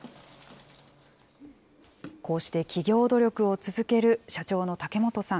こうして企業努力を続ける社長の竹元さん。